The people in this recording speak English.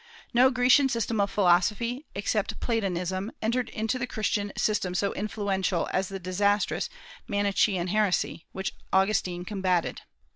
No Grecian system of philosophy, except Platonism, entered into the Christian system so influentially as the disastrous Manichaean heresy, which Augustine combated.